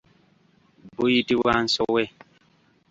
Buyitibwa nsowe.